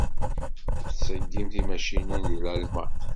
Yettṣeggim timacinin deg Lalman.